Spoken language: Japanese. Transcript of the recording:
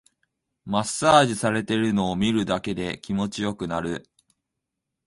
マッサージされてるのを見るだけで気持ちよくなる